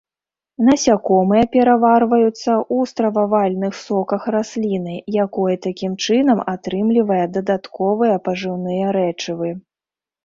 Насякомыя пераварваюцца ў стрававальных соках расліны, якое такім чынам атрымлівае дадатковыя пажыўныя рэчывы.